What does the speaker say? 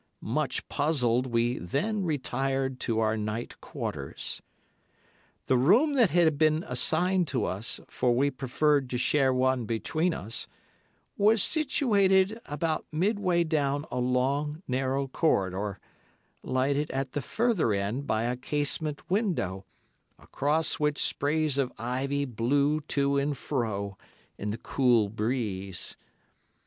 Much puzzled, we then retired to our night quarters. The room that had been assigned to us, for we preferred to share one between us, was situated about midway down a long, narrow corridor, lighted at the further end by a casement window, across which sprays of ivy blew to and fro in the cool breeze.